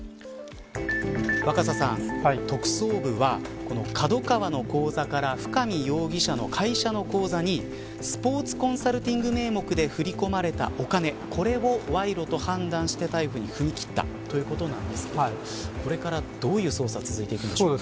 若狭さん、特捜部はこのＫＡＤＯＫＡＷＡの口座から深見容疑者の会社の口座にスポーツコンサルティング名目で振り込まれたお金、これを賄賂と判断して逮捕に踏み切ったということなんですがこれからどういう捜査が続いていきますか。